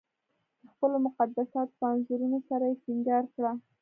د خپلو مقدساتو په انځورونو سره یې سنګار کړه.